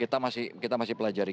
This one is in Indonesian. kita masih kita masih pelajari